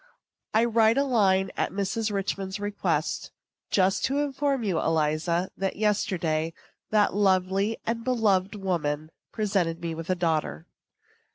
I write a line, at Mrs. Richman's request, just to inform you, Eliza, that, yesterday, that lovely and beloved woman presented me with a daughter.